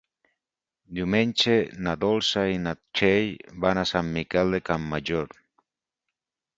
Diumenge na Dolça i na Txell van a Sant Miquel de Campmajor.